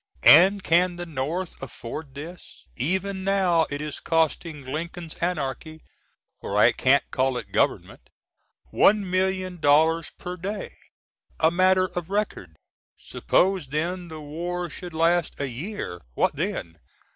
And can the North afford this? Even now it is costing Lincoln's Anarchy (for I can't call it gov.) $1,000,000 per day a matter of record! Suppose then the war sh^d last a year, what then?